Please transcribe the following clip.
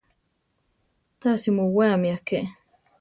Tasi muweame aké.